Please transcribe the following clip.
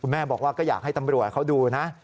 แม่บอกว่าก็อยากให้ตำรวจเขาดูนะ